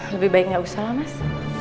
lebih baik nggak usah lah mas